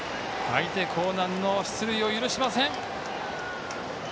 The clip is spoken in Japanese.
相手の興南の出塁を許しません。